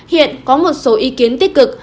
hiện có một số ý kiến tích cực